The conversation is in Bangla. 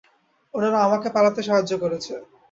ওনারা আমাকে পালাতে সাহায্য করেছে।